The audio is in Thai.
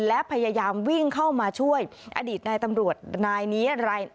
และพยายามวิ่งเข้ามาช่วยอดีตนายตำรวจนายนี้ราย